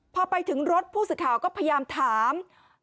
พอไปถึงรถผู้สื่อข่าวก็พยายามถาม